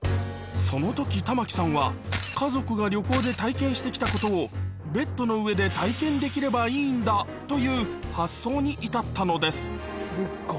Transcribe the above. そのとき玉城さんは、家族が旅行で体験してきたことを、ベッドの上で体験できればいいんだという発想に至ったのです。